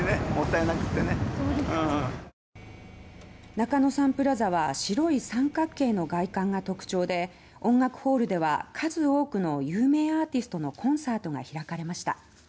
中野サンプラザは白い三角形の外観が特徴で音楽ホールでは数多くの有名アーティストのコンサートが開かれました。